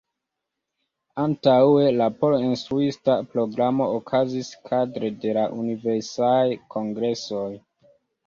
Antaŭe, la por instruista programo okazis kadre de la universalaj kongresoj.